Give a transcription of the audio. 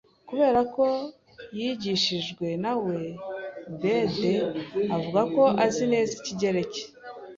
kubera ko yigishijwe na we Bede avuga ko azi neza Ikigereki